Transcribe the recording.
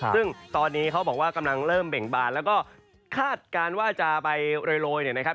ซึ่งตอนนี้เขาบอกว่ากำลังเริ่มเบ่งบานแล้วก็คาดการณ์ว่าจะไปโรยเนี่ยนะครับ